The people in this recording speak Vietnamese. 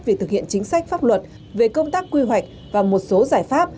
về thực hiện chính sách pháp luật về công tác quy hoạch và một số giải pháp